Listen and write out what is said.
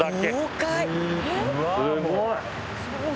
すごい！